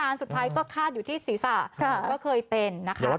ไม่ได้บอกโดยตรงหรอกก็อยู่ไหน